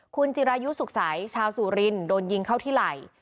คุณจิรายุสุขใสชาวสุรินโดนยิงเข้าที่ไหล่